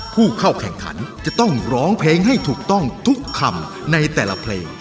ผู้เข้าแข่งขันจะต้องร้องเพลงให้ถูกต้องทุกคำในแต่ละเพลง